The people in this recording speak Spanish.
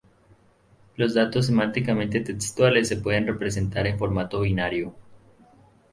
Los datos semánticamente textuales se pueden representar en formato binario.